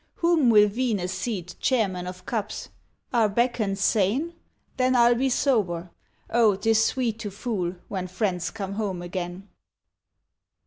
Whom will Venus seat Chairman of cups? Are Bacchants sane? Then I'll be sober. O, 'tis sweet To fool, when friends come home again!